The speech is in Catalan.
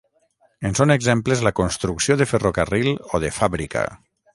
En són exemples la construcció de ferrocarril o de fàbrica.